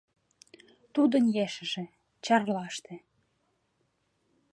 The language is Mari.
Тудын ешыже — Чарлаште.